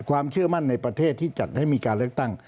ความเชื่อมั่นในประเทศที่จัดให้มีการเลือกตั้ง